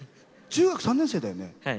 中学３年生だよね。